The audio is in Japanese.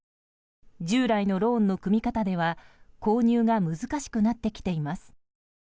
従来のローンの組み方では購入が難しくなってきています。